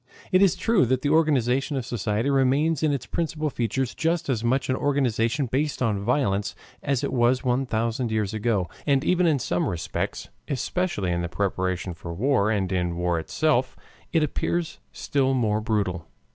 It is true that the organization of society remains in its principal features just as much an organization based on violence as it was one thousand years ago, and even in some respects, especially in the preparation for war and in war itself, it appears still more brutal.